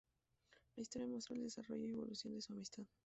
La historia muestra el desarrollo y evolución de su amistad.